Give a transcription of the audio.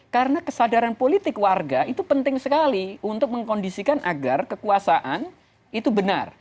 karena kesadaran politik warga itu penting sekali untuk mengkondisikan agar kekuasaan itu benar